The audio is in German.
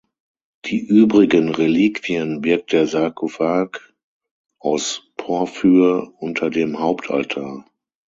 Die übrigen Reliquien birgt der Sarkophag aus Porphyr unter dem Hauptaltar.